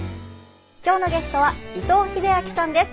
今日のゲストは伊藤英明さんです。